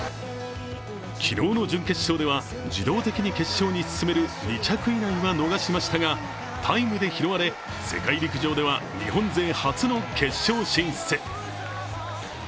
昨日の準決勝では自動的に決勝に進める２着以内は逃しましたがタイムで拾われ、世界陸上では日本勢初の決勝進出。